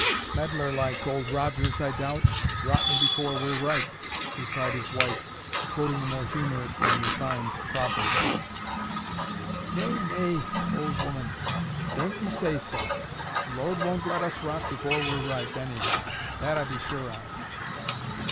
"Medlar like, Old Rogers, I doubt,—rotten before we're ripe," replied his wife, quoting a more humorous than refined proverb. "Nay, nay, old 'oman. Don't 'e say so. The Lord won't let us rot before we're ripe, anyhow. That I be sure on."